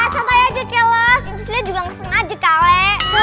sejahtera gitu gimana aku ini